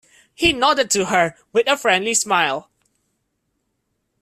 He nodded to her with a friendly smile.